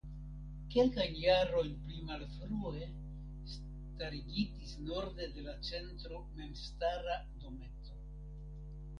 Kelkajn jarojn pli malfrue starigitis norde de la centro memstara dometo.